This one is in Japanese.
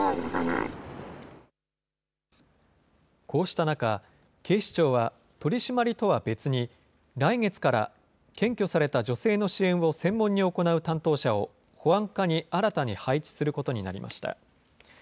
こうした中、警視庁は取締りとは別に、来月から検挙された女性の支援を専門に行う担当者を保安課に新たに配置することになりました。